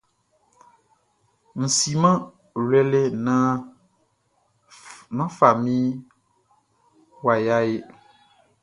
Mʼsiman wlele nan fami waya ehe.